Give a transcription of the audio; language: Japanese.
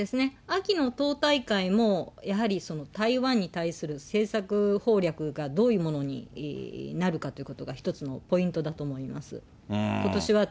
秋の党大会もやはり台湾に対する政策攻略がどういうものになるかということが、一つのポイントだと思います。